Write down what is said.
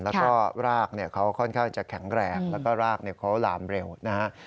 แล้วก็รากเขาค่อนข้างจะแข็งแรงแล้วก็รากเขาลามเร็วนะฮะ